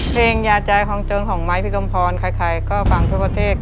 เพลงยาใจของเจิงของไม้พี่กลมพรคล้ายก็ฟังทั่วประเทศ